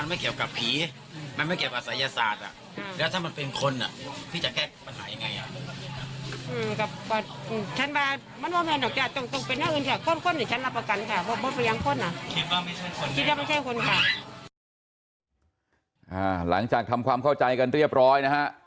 หลังจากทำความเข้าใจกันเรียบร้อยนะฮะ